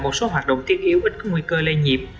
một số hoạt động thiết yếu ít có nguy cơ lây nhiễm